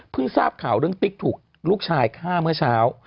พึ่งทราบข่าวเรื่องติ๊กถูกทุกขุมอยู่ไหนกล้างเมื่อเช้า